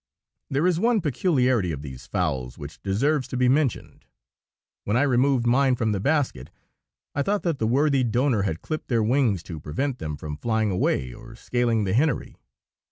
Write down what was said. There is one peculiarity of these fowls which deserves to be mentioned. When I removed mine from the basket I thought that the worthy donor had clipped their wings to prevent them from flying away or scaling the hennery.